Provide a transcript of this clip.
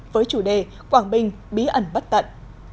với chủ đề quảng bình bí ẩn bất tận